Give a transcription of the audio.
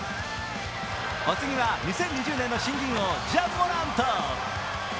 お次は２０２０年の新人王、ジャ・モラント。